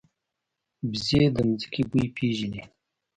وزې د ځمکې بوی پېژني